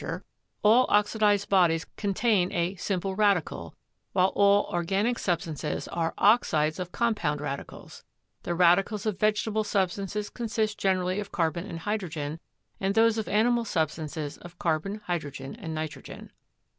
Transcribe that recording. ^^^ 222 CHEMISTRY all oxidized bodies contain a 'simple radical/ while all organic substances are 'oxides of compound radicals/ The radicals of vegetable substances consist generally of car bon and hydrogen, and those of animal substances of car bon, hydrogen, and nitrogen."